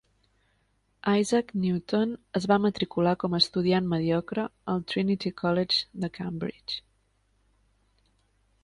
Isaac Newton es va matricular com estudiant mediocre al Trinity College de Cambridge.